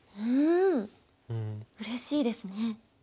うれしいですね。